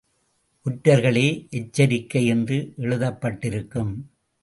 ஒற்றர்களே எச்சரிக்கை என்று எழுதப்பட்டிருக்கும்.